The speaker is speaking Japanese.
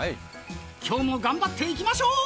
今日も頑張っていきましょう！